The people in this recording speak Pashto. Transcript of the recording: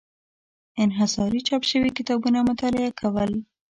انحصاري چاپ شوي کتابونه مطالعه کول.